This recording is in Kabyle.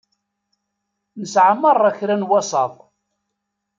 Nesεa merra kra n wasaḍ.